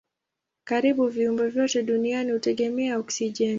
Karibu viumbe vyote duniani hutegemea oksijeni.